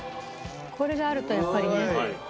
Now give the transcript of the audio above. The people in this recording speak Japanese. これがあるとやっぱりね。